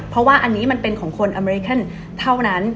เพราะว่าอันนี้มันเป็นของคนอเมริเคนเท่านั้น